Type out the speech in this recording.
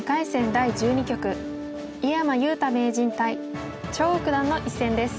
第１２局井山裕太名人対張栩九段の一戦です。